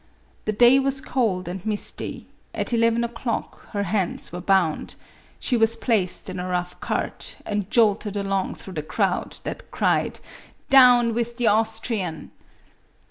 The day was cold and misty ; at eleven o'clock her hands were bound, she was placed in a rough cart, and jolted along through the crowd that cried, "Down with the Austrian!"